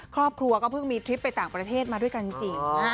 ครอบครัวก็เพิ่งมีทริปไปต่างประเทศมาด้วยกันจริง